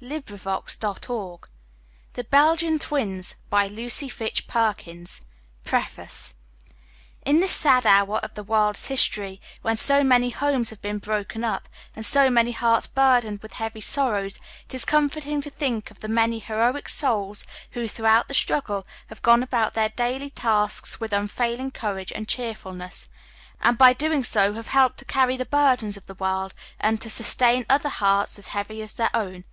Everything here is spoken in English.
Grades VI VII. To the friends of Belgian Children PREFACE In this sad hour of the world's history, when so many homes have been broken up, and so many hearts burdened with heavy sorrows, it is comforting to think of the many heroic souls who, throughout the struggle, have gone about their daily tasks with unfailing courage and cheerfulness, and by so doing have helped to carry the burdens of the world, and to sustain other hearts as heavy as their own.